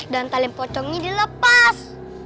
dan talen pocongnya dilepas